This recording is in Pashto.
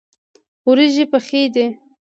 وریژې پخې دي.